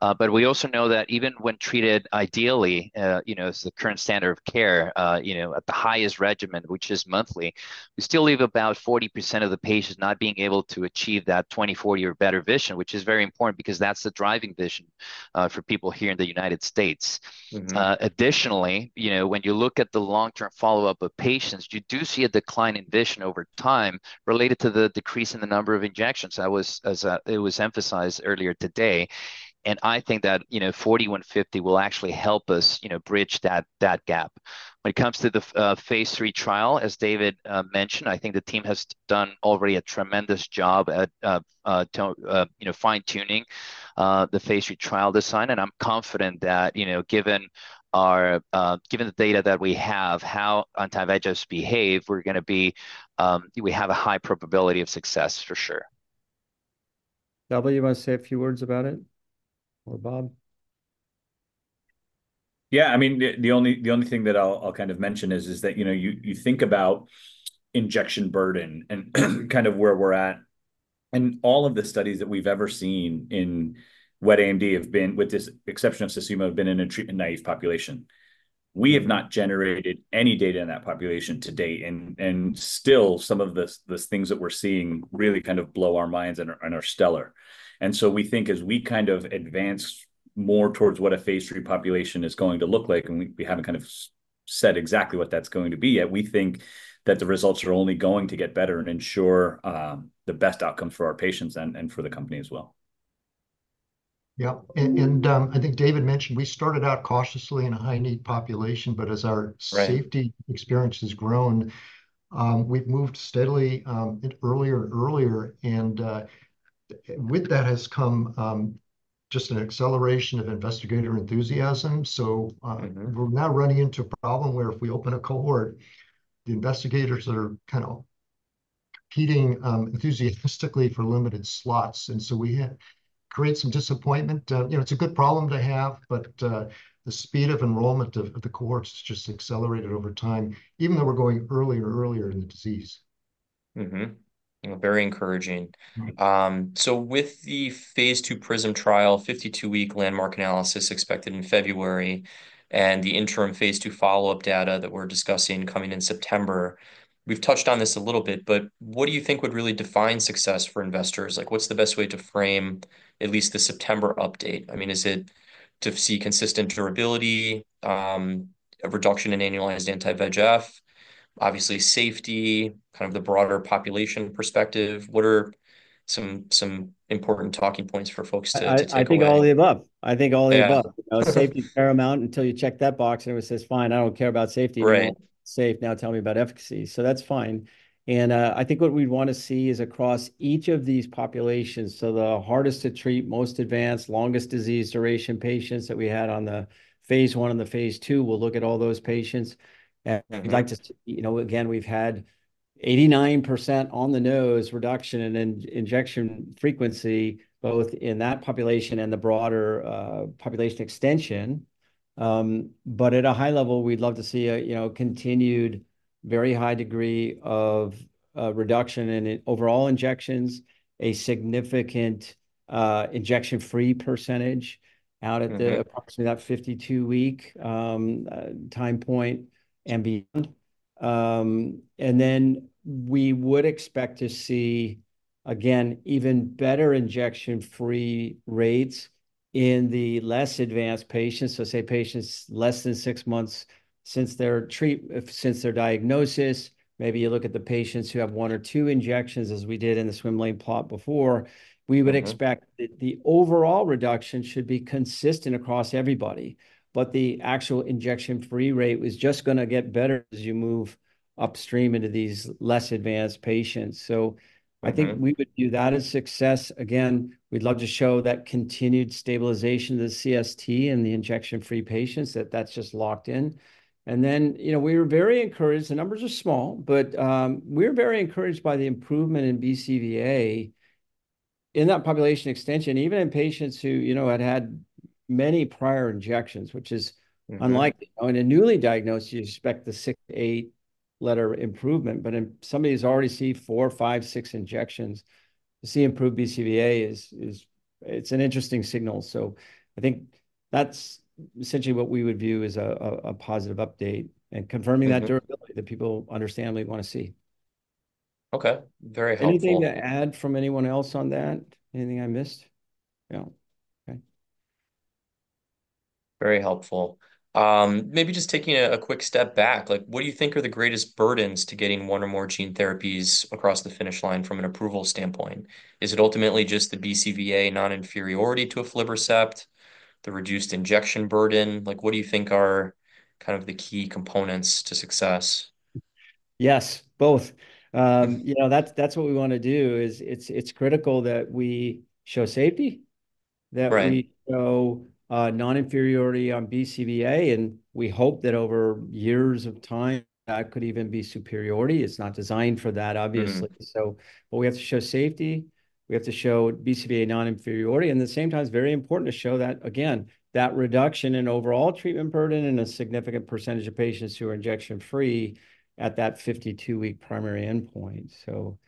but we also know that even when treated ideally, you know, as the current standard of care, you know, at the highest regimen, which is monthly, we still leave about 40% of the patients not being able to achieve that 20/40 or better vision, which is very important because that's the driving vision for people here in the United States. Mm-hmm. Additionally, you know, when you look at the long-term follow-up of patients, you do see a decline in vision over time related to the decrease in the number of injections. That was, as it was emphasized earlier today, and I think that, you know, 4D-150 will actually help us, you know, bridge that gap. When it comes to the phase 3 trial, as David mentioned, I think the team has done already a tremendous job at, you know, fine-tuning the phase 3 trial design. And I'm confident that, you know, given our-- given the data that we have, how anti-VEGFs behave, we're gonna be, we have a high probability of success for sure. Well, you want to say a few words about it, or Bob? Yeah, I mean, the only thing that I'll kind of mention is that, you know, you think about injection burden and kind of where we're at, and all of the studies that we've ever seen in wet AMD have been, with this exception of Susvimo, have been in a treatment-naive population. We have not generated any data in that population to date, and still some of the things that we're seeing really kind of blow our minds and are stellar. And so we think as we kind of advance more towards what a Phase 3 population is going to look like, and we haven't kind of said exactly what that's going to be yet. We think that the results are only going to get better and ensure the best outcome for our patients and for the company as well. Yeah, and I think David mentioned we started out cautiously in a high-need population, but as our- Right ...safety experience has grown, we've moved steadily it earlier and earlier, and with that has come just an acceleration of investigator enthusiasm. Mm-hmm. So, we're now running into a problem where if we open a cohort, the investigators are kind of competing enthusiastically for limited slots. And so we have created some disappointment. You know, it's a good problem to have, but the speed of enrollment of the cohorts just accelerated over time, even though we're going earlier and earlier in the disease. Mm-hmm. You know, very encouraging. Mm-hmm. So, with the phase 2 PRISM trial, 52-week landmark analysis expected in February, and the interim phase 2 follow-up data that we're discussing coming in September, we've touched on this a little bit, but what do you think would really define success for investors? Like, what's the best way to frame at least the September update? I mean, is it to see consistent durability, a reduction in annualized anti-VEGF, obviously safety, kind of the broader population perspective. What are some, some important talking points for folks to, to take away? I think all of the above. I think all of the above. Yeah. You know, safety's paramount. Until you check that box, everyone says, "Fine, I don't care about safety- Right. -anymore. Safe, now tell me about efficacy." So that's fine. And, I think what we'd want to see is across each of these populations, so the hardest-to-treat, most advanced, longest disease duration patients that we had on the Phase 1 and the Phase 2, we'll look at all those patients. Mm-hmm. And we'd like to, you know, again, we've had 89% on-the-nose reduction in injection frequency, both in that population and the broader population extension. But at a high level, we'd love to see a, you know, continued very high degree of reduction in overall injections, a significant injection-free percentage- Mm-hmm... out at the approximately that 52-week time point and beyond. And then we would expect to see, again, even better injection-free rates in the less advanced patients, so say, patients less than six months since their treat- since their diagnosis. Maybe you look at the patients who have one or two injections, as we did in the swim lane plot before. Mm-hmm. We would expect that the overall reduction should be consistent across everybody, but the actual injection-free rate is just gonna get better as you move upstream into these less advanced patients. Mm-hmm. So I think we would view that as success. Again, we'd love to show that continued stabilization of the CST in the injection-free patients, that that's just locked in. And then, you know, we were very encouraged... The numbers are small, but, we're very encouraged by the improvement in BCVA in that population extension, even in patients who, you know, had had many prior injections, which is- Mm-hmm... unlikely. In a newly diagnosed, you expect the 6-8-letter improvement, but in somebody who's already received 4, 5, 6 injections, to see improved BCVA is, it's an interesting signal. So I think that's essentially what we would view as a positive update, and confirming- Mm-hmm... that durability that people understandably want to see. Okay, very helpful. Anything to add from anyone else on that? Anything I missed? No. Okay. Very helpful. Maybe just taking a quick step back, like, what do you think are the greatest burdens to getting one or more gene therapies across the finish line from an approval standpoint? Is it ultimately just the BCVA non-inferiority to Aflibercept, the reduced injection burden? Like, what do you think are kind of the key components to success? Yes, both. You know, that's, that's what we want to do, is it's, it's critical that we show safety- Right... that we show, non-inferiority on BCVA, and we hope that over years of time, that could even be superiority. It's not designed for that, obviously. Mm. So but we have to show safety, we have to show BCVA non-inferiority, and at the same time, it's very important to show that, again, that reduction in overall treatment burden in a significant percentage of patients who are injection-free at that 52-week primary endpoint. So,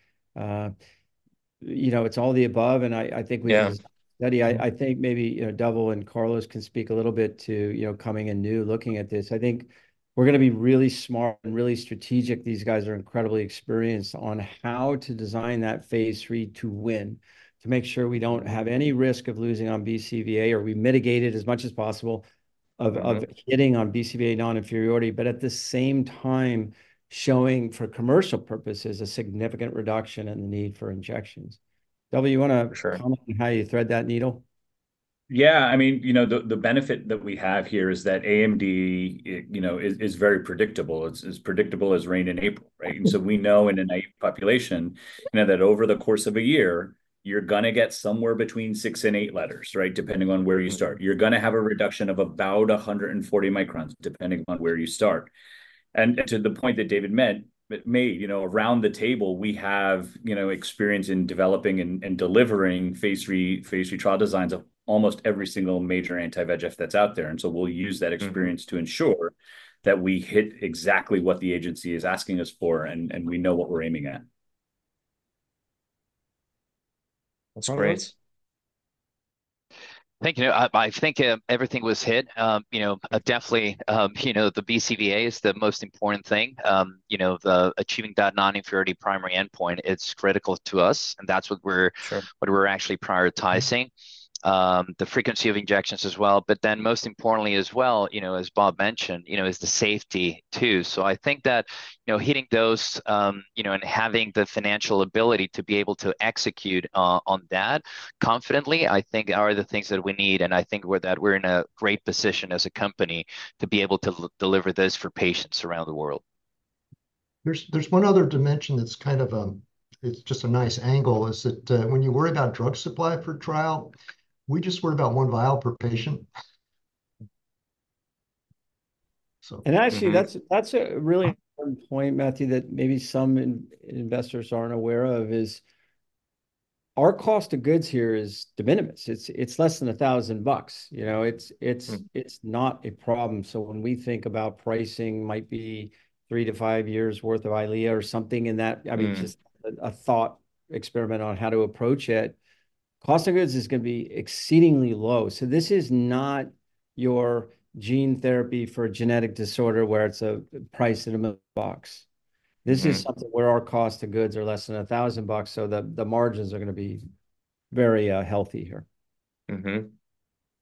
you know, it's all the above, and I, I think we- Yeah... I think maybe, you know, Dhaval and Carlos can speak a little bit to, you know, coming in new, looking at this. I think we're gonna be really smart and really strategic, these guys are incredibly experienced, on how to design that phase 3 to win, to make sure we don't have any risk of losing on BCVA, or we mitigate it as much as possible, of- Mm... of hitting on BCVA non-inferiority, but at the same time, showing, for commercial purposes, a significant reduction in the need for injections. Dhaval, you wanna- Sure... comment on how you thread that needle? Yeah, I mean, you know, the benefit that we have here is that AMD, it, you know, is very predictable. It's as predictable as rain in April, right? Mm. And so we know in a naive population, you know, that over the course of a year, you're gonna get somewhere between six and eight letters, right? Depending on where you start. You're gonna have a reduction of about 140 microns, depending on where you start. And to the point that David made, you know, around the table, we have, you know, experience in developing and delivering phase 3 trial designs of almost every single major anti-VEGF that's out there. And so we'll use that experience- Mm... to ensure that we hit exactly what the agency is asking us for, and we know what we're aiming at. That's great. Carlos? Thank you. I think everything was hit. You know, definitely, you know, the BCVA is the most important thing. You know, the achieving that non-inferiority primary endpoint, it's critical to us, and that's what we're- Sure... what we're actually prioritizing. The frequency of injections as well, but then most importantly as well, you know, as Bob mentioned, you know, is the safety, too. So I think that, you know, hitting those, you know, and having the financial ability to be able to execute on that confidently, I think are the things that we need, and I think we're, that we're in a great position as a company to be able to deliver this for patients around the world. There's one other dimension that's kind of, it's just a nice angle, is that, when you worry about drug supply for trial, we just worry about one vial per patient. So- Actually, that's a really important point, Matthew, that maybe some investors aren't aware of, is our cost of goods here is de minimis. It's less than $1,000. You know, it's. Mm... it's not a problem. When we think about pricing, might be 3-5 years' worth of Eylea or something in that- Mm... I mean, just a thought experiment on how to approach it. Cost of goods is gonna be exceedingly low. So this is not your gene therapy for a genetic disorder, where it's a price in a box. Mm-hmm. This is something where our cost of goods are less than $1,000, so the margins are gonna be very healthy here. Mm-hmm.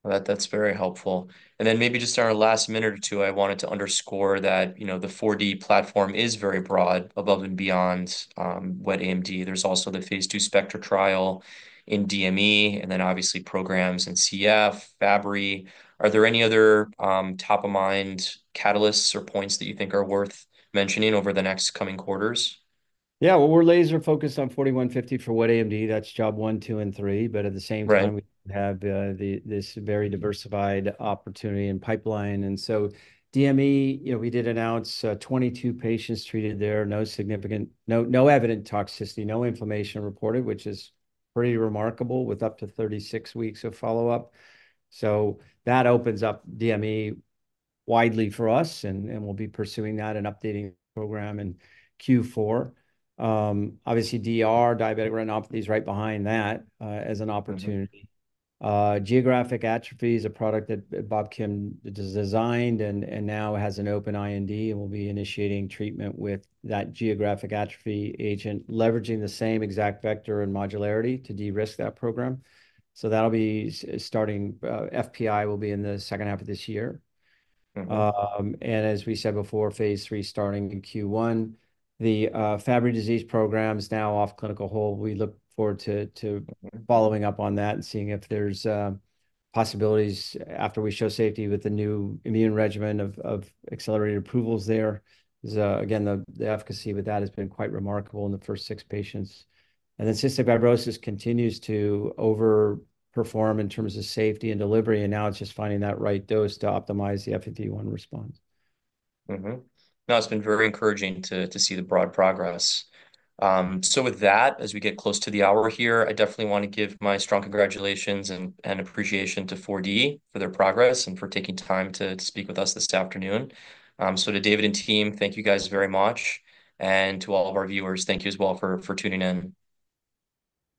Well, that, that's very helpful. And then maybe just in our last minute or two, I wanted to underscore that, you know, the 4D platform is very broad, above and beyond, wet AMD. There's also the Phase 2 SPECTRA trial in DME, and then obviously programs in CF, Fabry. Are there any other, top-of-mind catalysts or points that you think are worth mentioning over the next coming quarters? Yeah. Well, we're laser focused on 4D-150 for wet AMD. That's job one, two, and three. But at the same time- Right... we have, the, this very diversified opportunity and pipeline. And so DME, you know, we did announce, twenty-two patients treated there. No significant- no, no evident toxicity, no inflammation reported, which is pretty remarkable, with up to 36 weeks of follow-up. So that opens up DME widely for us, and, and we'll be pursuing that and updating the program in Q4. Obviously, DR, diabetic retinopathy, is right behind that, as an opportunity. Mm-hmm. Geographic Atrophy is a product that Bob Kim designed and now has an open IND and will be initiating treatment with that Geographic Atrophy agent, leveraging the same exact vector and modularity to de-risk that program. So that'll be starting. FPI will be in the second half of this year. Mm-hmm. And as we said before, Phase 3 starting in Q1. The Fabry Disease program is now off clinical hold. We look forward to following up on that and seeing if there's possibilities after we show safety with the new immune regimen of accelerated approvals there. Because, again, the efficacy with that has been quite remarkable in the first six patients. And then Cystic Fibrosis continues to over-perform in terms of safety and delivery, and now it's just finding that right dose to optimize the FEV1 response. Mm-hmm. No, it's been very encouraging to, to see the broad progress. So with that, as we get close to the hour here, I definitely want to give my strong congratulations and, and appreciation to 4D for their progress and for taking time to speak with us this afternoon. So to David and team, thank you guys very much, and to all of our viewers, thank you as well for, for tuning in.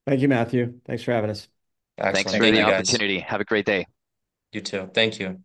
Thank you, Matthew. Thanks for having us. Excellent. Thanks for the opportunity. Have a great day. You too. Thank you.